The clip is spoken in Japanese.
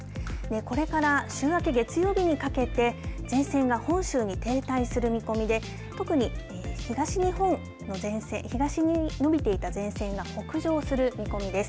これから週明け月曜日にかけて前線が本州に停滞する見込みで特に東に伸びていた前線が北上する見込みです。